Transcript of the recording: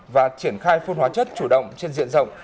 và triển khai phun hóa chất chủ động trên diện rộng